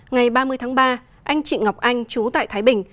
ngày ba mươi tháng ba anh chị ngọc anh chú tại thái bình